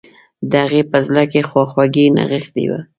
د هغې په زړه کې خواخوږي نغښتي وه